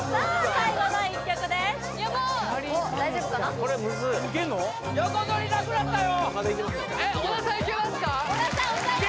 最後の一曲ですよ